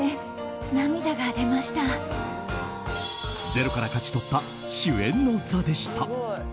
ゼロから勝ち取った主演の座でした。